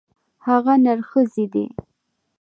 هغه نرښځی دی.